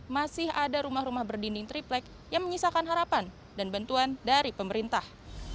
masih ada rumah rumah berdinding triplek yang menyisakan harapan dan bantuan dari pemerintah